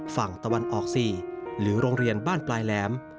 ฝั่งตะวันออก๔หรือโรงเรียนบ้านปลายแหลม